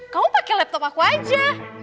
kamu pakai laptop aku aja